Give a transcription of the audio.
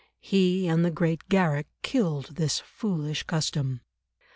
He and the great Garrick killed this foolish custom.